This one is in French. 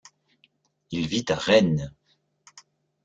Il vit à Rennes.